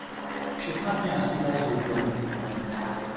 V šestnácti nazpíval svou první píseň.